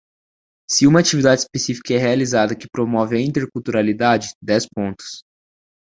Se uma atividade específica é realizada que promove a interculturalidade: dez pontos.